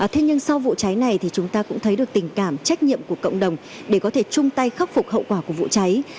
thế nhưng sau vụ cháy này thì chúng ta cũng thấy được tình cảm trách nhiệm của cộng đồng để có thể chung tay khắc phục hậu quả của vụ cháy